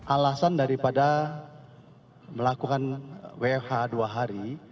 alasan daripada melakukan wfh dua hari